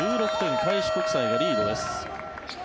開志国際がリードです。